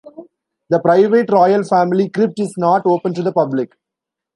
The private royal family crypt is not open to the public.